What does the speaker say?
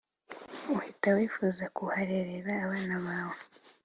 uhita wifuza ku harerera abana bawe